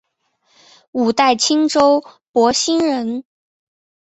五代青州博兴人。